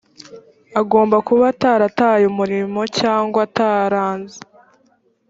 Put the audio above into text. agomba kuba atarataye umurimo cyangwa ataranze.